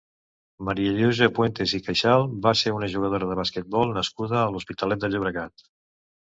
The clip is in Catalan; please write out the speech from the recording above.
Maria Lluïsa Puentes i Caixal va ser una jugadora de basquetbol nascuda a l'Hospitalet de Llobregat.